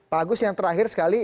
pak agus yang terakhir sekali